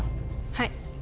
はい。